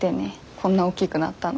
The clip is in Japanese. こんなおっきくなったの。